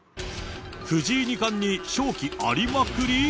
藤井二冠に勝機ありまくり？